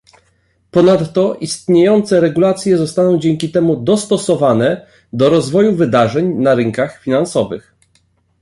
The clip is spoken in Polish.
Ponadto istniejące regulacje zostaną dzięki temu dostosowane do rozwoju wydarzeń na rynkach finansowych